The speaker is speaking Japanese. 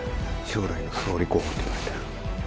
将来の総理候補といわれてる。